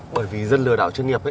bởi vì dân lừa đảo chuyên nghiệp